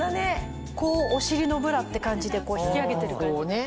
お尻のブラって感じでこう引き上げてる感じ。